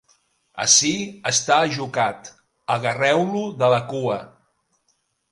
Ací està ajocat, agarreu-lo de la cua.